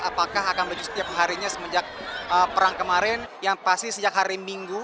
apakah akan maju setiap harinya semenjak perang kemarin yang pasti sejak hari minggu